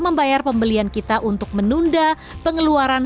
membayar pembelian kita untuk menunda pengeluaran